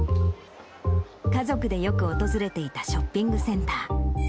家族でよく訪れていたショッピングセンター。